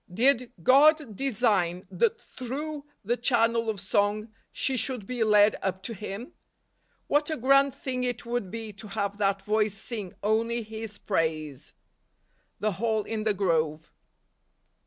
Did God design that through the channel of song she should be led up to Him ? What a grand thing it would be to have that voice sing only His praise ! The Hall in the Grove.